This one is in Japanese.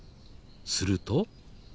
すると。